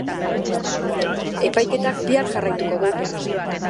Epaiketak bihar jarraituko du.